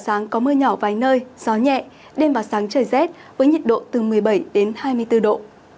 sáng có mưa nhỏ vài nơi gió nhẹ đêm và sáng trời rét với nhiệt độ từ một mươi bảy đến hai mươi bốn độ